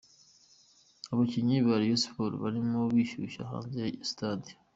Abakinnyi ba Rayon Sports barimo bishyushya hanze ya Stade.